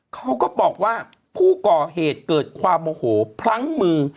เขาก็บอกว่าผู้ก่อเหตุเกิดความโมโหพลั้งมือ